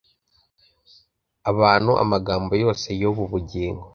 abantu amagambo yose y ubu bugingo